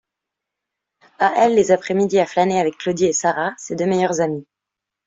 À elle les après-midi à flâner avec Claudie et Sara, ses deux meilleures amies.